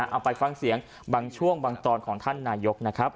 เอาไปฟังเสียงบางช่วงบางตอนของท่านนายกนะครับ